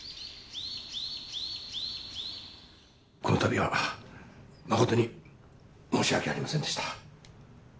このたびは誠に申し訳ありませんでした。